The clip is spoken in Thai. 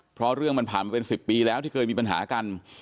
เพราะเรื่องมันผ่านมาเป็น๑๐ปีแล้วที่เคยมีปัญหากัน